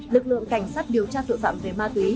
lực lượng cảnh sát điều tra tội phạm về ma túy